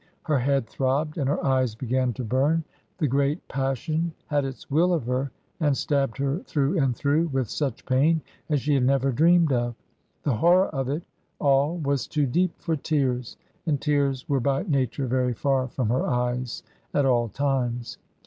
Her head throbbed and her eyes began to burn. The great passion had its will of her and stabbed her through and through with such pain as she had never dreamed of. The horror of it all was too deep for tears, and tears were by nature very far from her eyes at all times.